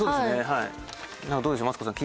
はいどうでしょうマツコさん